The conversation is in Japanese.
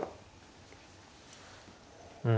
うん。